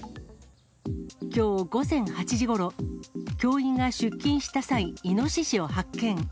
きょう午前８時ごろ、教員が出勤した際、イノシシを発見。